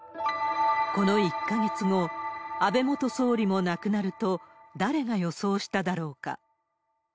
この１か月後、安倍元総理も亡くなると、誰が予想しただろうか。